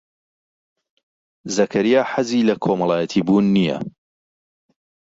زەکەریا حەزی لە کۆمەڵایەتیبوون نییە.